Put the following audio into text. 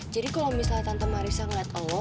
jadi kalau misalnya tante marissa ngeliat lo